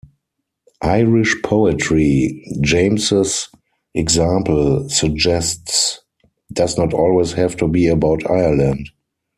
'Irish poetry', James's example suggests, does not always have to be about Ireland.